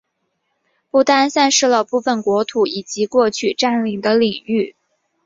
不丹丧失了部分国土以及过去占领的领域。